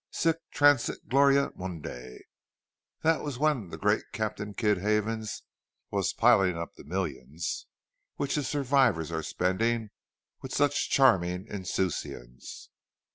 "Sic transit gloria mundi! That was when the great Captain Kidd Havens was piling up the millions which his survivors are spending with such charming insouciance.